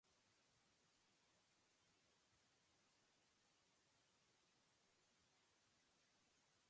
It is a special case of the inverse-gamma distribution.